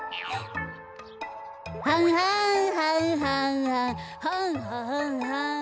ははんはんはんはんはんははんはん。